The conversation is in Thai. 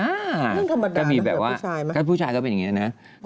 ร่างธรรมดาเหมือน์กับผู้ชายถ้าผู้ชายก็เป็นอย่างนี้